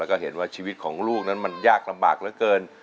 แล้วก็เห็นว่าชีวิตของลูกนั้นมันยากลำบากเหลือเกิน